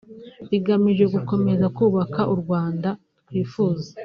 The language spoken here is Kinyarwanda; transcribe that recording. bigamije gukomeza kubaka u Rwanda twifuza